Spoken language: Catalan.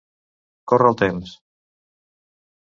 Córrer el temps.